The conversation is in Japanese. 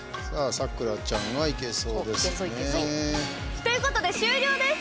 咲楽ちゃんはいけそうですね。ということで終了です。